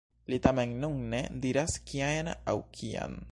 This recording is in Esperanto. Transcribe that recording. Li tamen nun ne diras kiajn aŭ kiam.